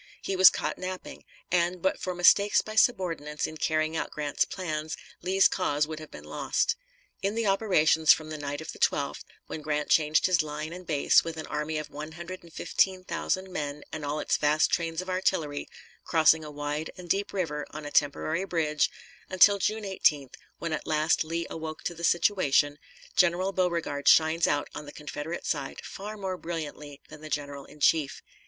He was caught napping, and, but for mistakes by subordinates in carrying out Grant's plans, Lee's cause would have been lost. In the operations from the night of the 12th, when Grant changed his line and base with an army of one hundred and fifteen thousand men, and all its vast trains of artillery, crossing a wide and deep river on a temporary bridge, until June 18th, when at last Lee awoke to the situation, General Beauregard shines out on the Confederate side far more brilliantly than the general in chief.